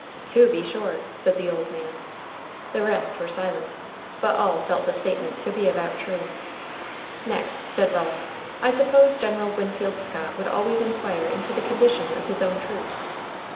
"To be sure," said the old man. The rest were silent, but all felt the statement to be about true. "Next," said Ralph, "I suppose General Winfield Scott would always inquire into the condition of his own troops.